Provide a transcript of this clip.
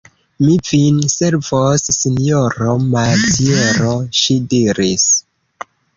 Mi vin servos, sinjoro Maziero, ŝi diris.